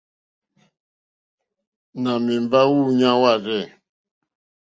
Nà mèmbá wúǔɲá wârzɛ̂.